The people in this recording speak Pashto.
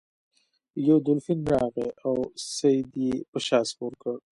یو دولفین راغی او سید یې په شا سپور کړ.